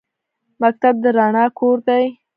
مکتب د رڼا کور دی